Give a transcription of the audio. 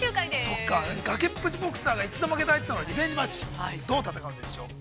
◆そっか、崖っぷちボクサーが一度負けた相手とのリベンジマッチどう戦うんでしょうか。